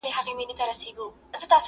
د کرونا له تودې تبي څخه سوړ سو!!